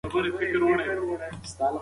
مسواک وهل د الله تعالی د خوښۍ لاره ده.